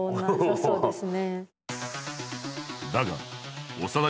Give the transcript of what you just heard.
そうですね。